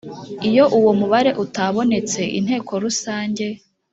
Iyo uwo mubare utabonetse Inteko Rusange